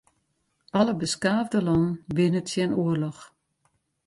Alle beskaafde lannen binne tsjin oarloch.